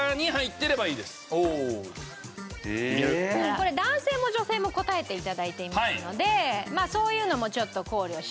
これ男性も女性も答えて頂いていますのでそういうのもちょっと考慮して。